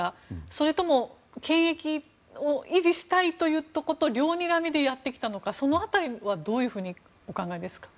それとも権益を維持したいということと両にらみでやってきたのかその辺りはどうでしょうか。